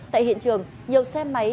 tại hiện trường nhiều xe máy